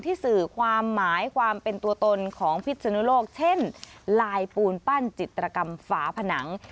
สื่อความหมายความเป็นตัวตนของพิศนุโลกเช่นลายปูนปั้นจิตรกรรมฝาผนัง